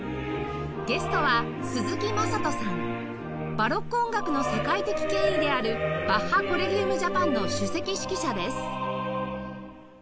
バロック音楽の世界的権威であるバッハ・コレギウム・ジャパンの首席指揮者です